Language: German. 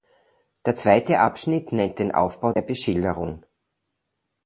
Der zweite Abschnitt nennt den Aufbau der Beschilderung.